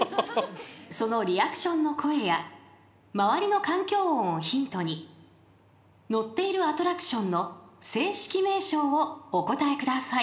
［そのリアクションの声や周りの環境音をヒントに乗っているアトラクションの正式名称をお答えください］